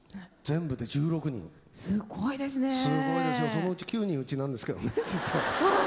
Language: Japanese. そのうち９人うちなんですけどね実は。